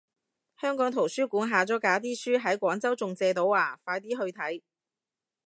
香港圖書館下咗架啲書喺廣州仲借到啊，快啲去睇